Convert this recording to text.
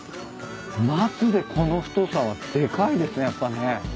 松でこの太さはでかいですねやっぱね。